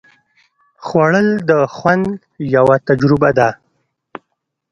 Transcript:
خوړل د خوند یوه تجربه ده